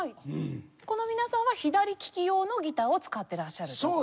この皆さんは左きき用のギターを使っていらっしゃる方ですよね。